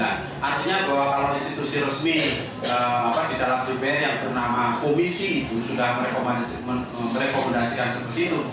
artinya bahwa kalau institusi resmi di dalam dpr yang bernama komisi ibu sudah merekomendasikan seperti itu